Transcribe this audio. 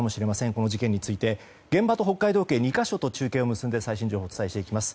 この事件について現場と北海道警中継を結んで最新情報をお伝えします。